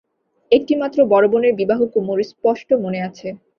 একটিমাত্র বড়ো বোনের বিবাহ কুমুর স্পষ্ট মনে আছে।